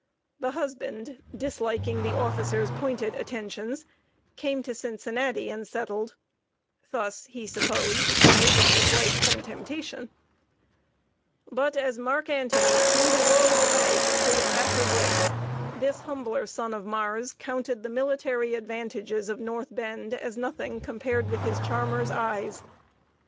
The husband, disliking the officer's pointed attentions, came to Cincinnati and settled thus, he supposed, removing his wife from temptation. [Sidenote: THE ASPIRATIONS OF THE CINCINNATIAN.] But as Mark Antony threw the world away for Cleopatra's lips, this humbler son of Mars counted the military advantages of North Bend as nothing compared with his charmer's eyes.